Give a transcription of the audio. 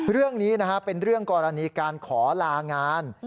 เรื่องนี้เป็นเรื่องกรณีการขอลางาน